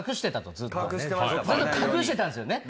ずっと隠してたんですよね。